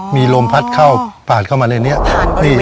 มีลมพัดเข้าปาดเข้ามาในนี้